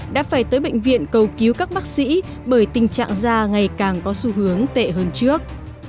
đã phải tới bệnh viện cầu cứu các bác sĩ bởi tình trạng da ngày càng có xu hướng tệ hơn trước